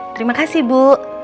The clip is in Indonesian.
terima kasih bu